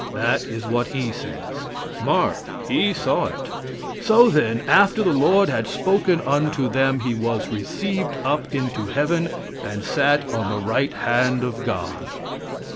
That is what he says. Mark, he saw it. "So, then, after the Lord had spoken unto them He was received up into heaven and sat on the right hand of God."